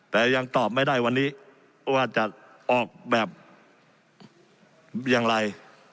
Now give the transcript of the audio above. แต่ยังตอบไม่ได้วันนี้ว่าจะออกแบบอย่างไร